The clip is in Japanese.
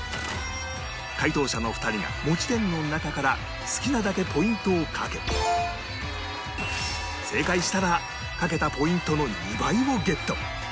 解答者の２人が持ち点の中から好きなだけポイントを賭け正解したら賭けたポイントの２倍をゲット